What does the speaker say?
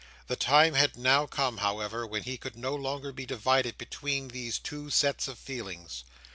The time had now come, however, when he could no longer be divided between these two sets of feelings.